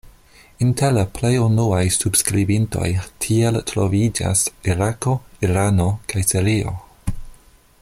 Inter la plej unuaj subskribintoj tiel troviĝas Irako, Irano kaj Sirio.